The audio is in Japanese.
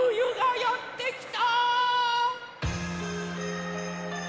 「やってきた！」